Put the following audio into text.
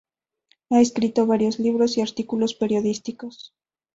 Ha escrito varios libros y artículos periodísticos.